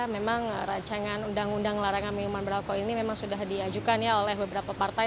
memang rancangan undang undang larangan minuman beralkohol ini memang sudah diajukan ya oleh beberapa partai